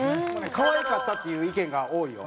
「かわいかった」っていう意見が多いよ。